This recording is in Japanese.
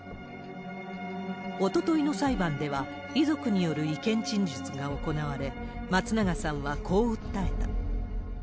おとといの裁判では、遺族による意見陳述が行われ、松永さんはこう訴えた。